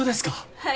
はい。